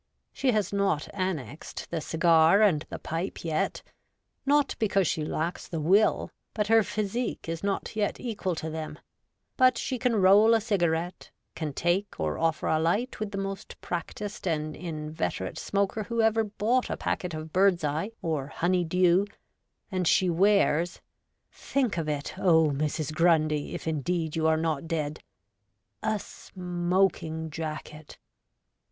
She has not annexed the cigar and the pipe yet — not because she lacks the will, but her physique is not yet equal to them ; but she can roll a cigarette, can take or offer a light with the most practised and inveterate smoker who ever bought a packet of Bird's Eye or Honey Dew, and she wears— think of it, O Mrs. Grundy, if, indeed, you are not dead !— a smoking jacket.